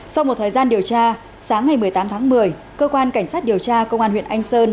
sau một thời gian điều tra sáng ngày một mươi tám tháng một mươi cơ quan cảnh sát điều tra công an huyện anh sơn